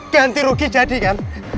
ganti rugi jadikan